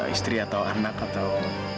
istri atau anak atau